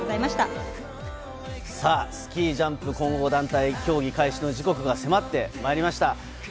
さぁ、スキージャンプ混合団体、競技開始の時刻が迫ってまいりました。